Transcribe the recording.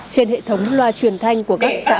trên hệ thống loa truyền thanh của các xã